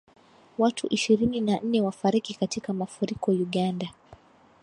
Watu ishirini na nne wafariki katika mafuriko Uganda